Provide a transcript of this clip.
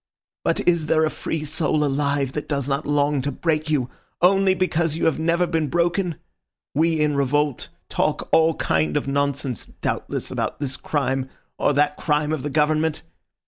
But is there a free soul alive that does not long to break you, only because you have never been broken? We in revolt talk all kind of nonsense doubtless about this crime or that crime of the Government.